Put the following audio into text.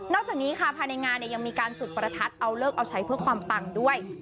จากนี้ค่ะภายในงานยังมีการจุดประทัดเอาเลิกเอาใช้เพื่อความปังด้วย